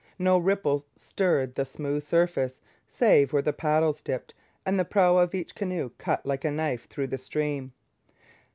No ripple stirred the smooth surface, save where the paddles dipped and the prow of each canoe cut like a knife through the stream.